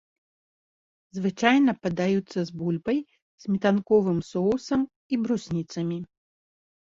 Звычайна падаюцца з бульбай, сметанковым соусам і брусніцамі.